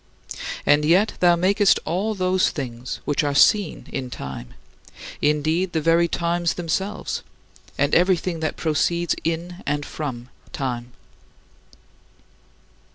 And yet thou makest all those things which are seen in time indeed, the very times themselves and everything that proceeds in and from time.